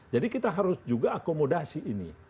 jadi kita harus juga akomodasi ini